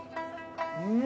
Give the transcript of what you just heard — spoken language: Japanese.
うん！